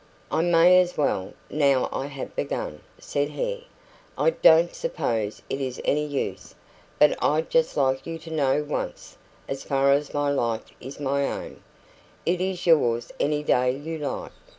"I may as well, now I have begun," said he. "I don't suppose it is any use, but I'd just like you to know once as far as my life is my own, it is yours any day you like.